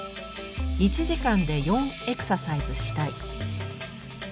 １時間で４エクササイズしたい。